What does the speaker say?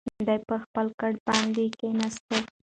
دی پر خپل کټ باندې کښېناست.